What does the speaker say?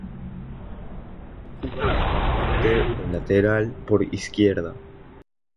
Jugaba de volante o lateral por izquierda.